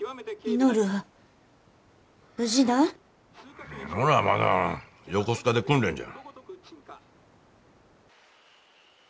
稔はまだ横須賀で訓練じゃ。